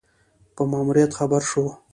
په ماموریت خبر شو.